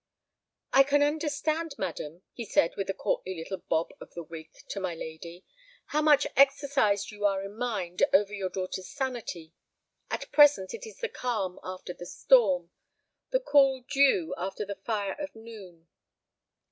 "I can understand, madam," he said, with a courtly little bob of the wig to my lady, "how much exercised you are in mind over your daughter's sanity. At present it is the calm after the storm, the cool dew after the fire of noon.